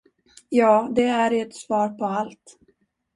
Ja, det är ert svar på allt.